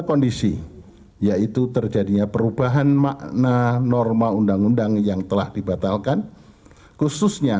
kondisi yaitu terjadinya perubahan makna norma undang undang yang telah dibatalkan khususnya